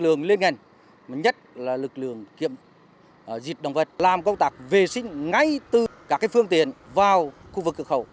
ông quang đã làm công tác vệ sinh ngay từ các phương tiện vào khu vực cửa khẩu